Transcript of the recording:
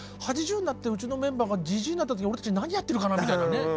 ８０になってうちのメンバーがじじいになった時俺たち何やってるかなみたいなね。